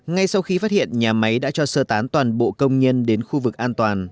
ngay sau khi phát hiện nhà máy đã cho sơ tán toàn bộ công nhân đến khu vực an toàn